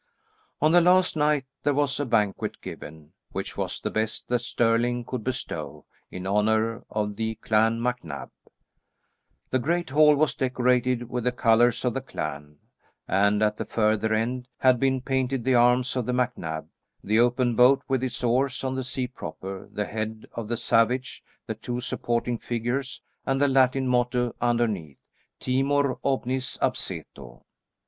On the last night, there was a banquet given which was the best that Stirling could bestow, in honour of the Clan MacNab. The great hall was decorated with the colours of the clan, and at the further end had been painted the arms of the MacNab the open boat, with its oars, on the sea proper, the head of the savage, the two supporting figures and the Latin motto underneath, "Timor omnis abseto".